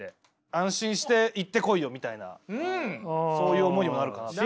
安心して行ってこいよみたいなそういう思いもあるかなっていう。